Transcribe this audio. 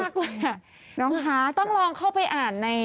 น้องคะต้องลองเข้าไปอ่านใน